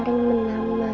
sering menemani aku main